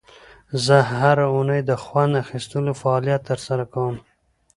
زه هره اونۍ د خوند اخیستلو فعالیت ترسره کوم.